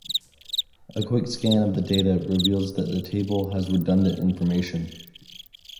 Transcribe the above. A quick scan of the data reveals that the table has redundant information.